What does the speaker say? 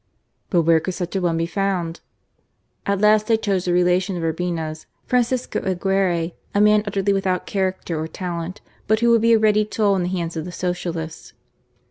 But where could snch a one be found ? At last they chose a relation of Urbina's, Francisco Aguirre, a man utterly with out character or talent, but who would be a ready tool in the hands of the Socialists.